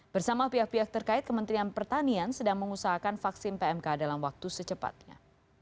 bersama pihak pihak terkait kementerian pertanian sedang mengusahakan vaksin pmk dalam waktu secepatnya